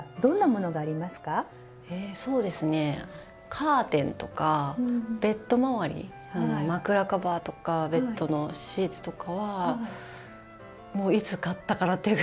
カーテンとかベッド周り枕カバーとかベッドのシーツとかはもういつ買ったかなっていうぐらい長く使っているかな。